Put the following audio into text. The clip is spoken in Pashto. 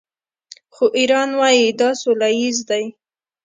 خو ایران وايي دا سوله ییز دی.